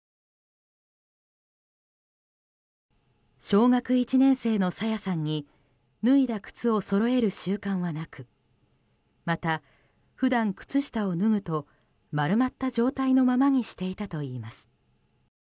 小学１年生の朝芽さんに脱いだ靴をそろえる習慣はなくまた普段、靴下を脱ぐと丸まった状態のままにしていたといいます。